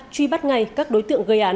truy bắt ngay các đối tượng gây án